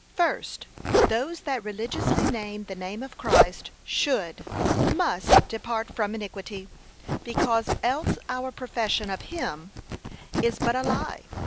First, Those that religiously name the name of Christ should, must, depart from iniquity, because else our profession of him is but a lie.